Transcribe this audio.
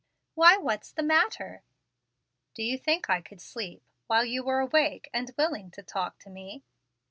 "Why, what's the matter?" "Do you think I could sleep while you were awake and willing to talk to me?"